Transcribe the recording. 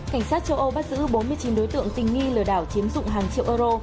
cảnh sát châu âu bắt giữ bốn mươi chín đối tượng tình nghi lừa đảo chiếm dụng hàng triệu euro